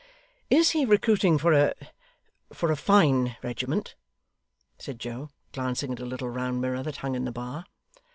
'Is he recruiting for a for a fine regiment?' said Joe, glancing at a little round mirror that hung in the bar.